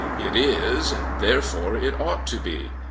It is: there fore it ought to be.